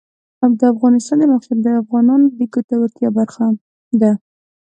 د افغانستان د موقعیت د افغانانو د ګټورتیا برخه ده.